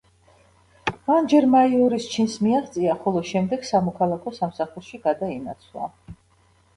მან ჯერ მაიორის ჩინს მიაღწია, ხოლო შემდეგ სამოქალაქო სამსახურში გადაინაცვლა.